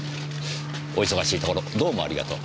お忙しいところどうもありがとう。